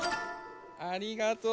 ありがとう！